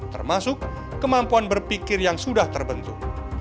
termasuk kemampuan berpikir yang sudah terbentuk